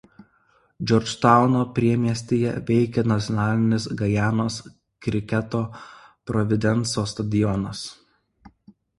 Džordžtauno priemiestyje veikia nacionalinis Gajanos kriketo Providenso stadionas.